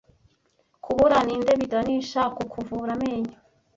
Kubura ninde biganisha ku kuvura amenyo